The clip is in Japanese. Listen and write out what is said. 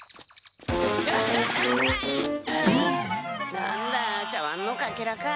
なんだ茶わんのかけらか。